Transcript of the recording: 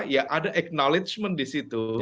ya ada acknowledgement disitu